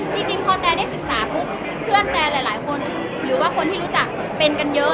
จริงพอแตนได้ศึกษาปุ๊บเพื่อนแตนหลายคนหรือว่าคนที่รู้จักเป็นกันเยอะ